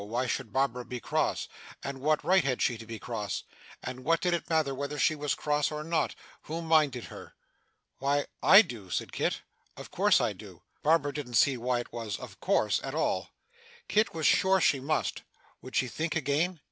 Why should Barbara be cross? And what right had she to be cross? And what did it matter whether she was cross or not? Who minded her! 'Why, I do,' said Kit. 'Of course I do.' Barbara didn't see why it was of course, at all. Kit was sure she must. Would she think again?